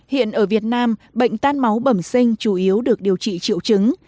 hiện ở việt nam bệnh tan máu bẩm sinh chủ yếu được điều trị triệu chứng